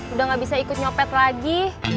udah gak bisa ikut nyopet lagi